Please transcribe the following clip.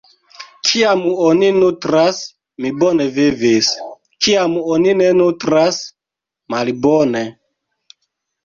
Kiam oni nutras, mi bone vivis, kiam oni ne nutras - malbone.